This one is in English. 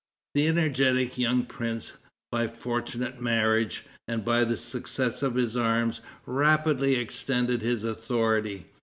The energetic young prince, by fortunate marriage, and by the success of his arms, rapidly extended his authority.